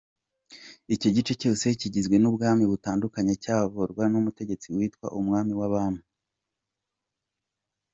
Icyo gice cyose kigizwe n’ubwami butandukanye cyayoborwaga n’umutegetsi witwa ‘Umwami w’Abami’.